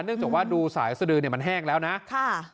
เนื่องจากว่าดูสายอักษรดือมันแห้งแล้วนะ